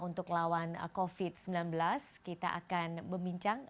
untuk lawan covid sembilan belas kita akan berbincang